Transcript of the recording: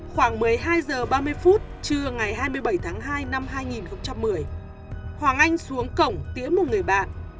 khoảng một mươi hai h ba mươi phút trưa ngày hai mươi bảy tháng hai năm hai nghìn một mươi hoàng anh xuống cổng tĩa một người bạn